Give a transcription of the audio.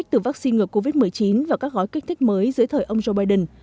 từ vaccine ngừa covid một mươi chín và các gói kích thích mới dưới thời ông joe biden